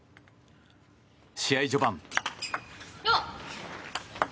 試合序盤。